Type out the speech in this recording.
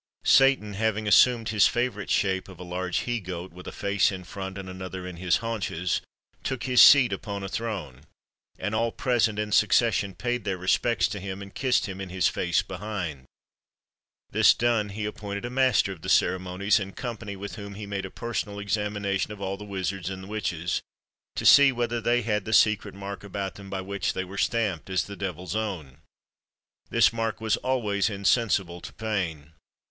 Satan, having assumed his favourite shape of a large he goat, with a face in front and another in his haunches, took his seat upon a throne; and all present, in succession, paid their respects to him, and kissed him in his face behind. This done, he appointed a master of the ceremonies, in company with whom he made a personal examination of all the wizards and witches, to see whether they had the secret mark about them by which they were stamped as the devil's own. This mark was always insensible to pain.